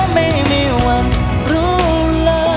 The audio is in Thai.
ไม่มีวันรู้เลย